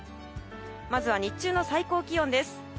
まずは日中の最高気温です。